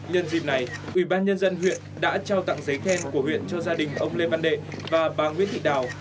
nhân dịp này ủy ban nhân dân huyện đã trao tặng giấy khen của huyện cho gia đình ông lê văn đệ và bà nguyễn thị đào